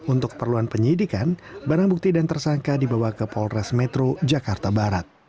untuk perluan penyidikan barang bukti dan tersangka dibawa ke polres metro jakarta barat